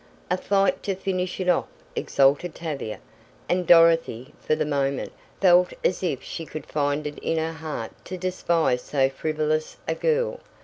"A fight to finish it off," exulted Tavia, and Dorothy, for the moment, felt as if she could find it in her heart to despise so frivolous a girl.